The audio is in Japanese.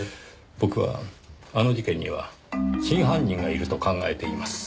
僕はあの事件には真犯人がいると考えています。